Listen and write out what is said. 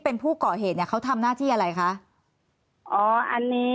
เป็นผู้ก่อเหตุเนี่ยเขาทำหน้าที่อะไรคะ